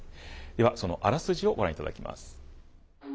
ではそのあらすじをご覧いただきます。